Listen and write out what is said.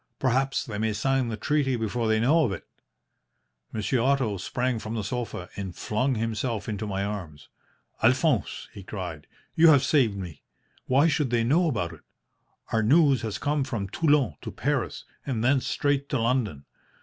Perhaps they may sign the treaty before they know of it.' "Monsieur Otto sprang from the sofa and flung himself into my arms. "'Alphonse,' he cried, 'you have saved me! Why should they know about it? Our news has come from Toulon to Paris, and thence straight to London.